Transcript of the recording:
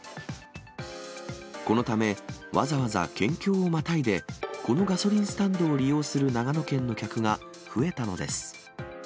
このため、わざわざ県境をまたいで、このガソリンスタンドを利用する長野県の客が増えたのです。